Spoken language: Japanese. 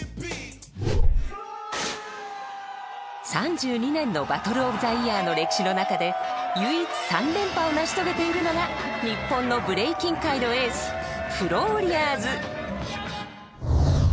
３２年のバトルオブザイヤーの歴史の中で唯一３連覇を成し遂げているのが日本のブレイキン界のエースフローリアーズ。